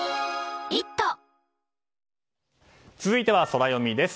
続いてはソラよみです。